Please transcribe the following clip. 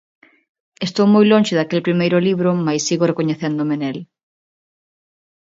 Estou moi lonxe daquel primeiro libro mais sigo recoñecéndome nel.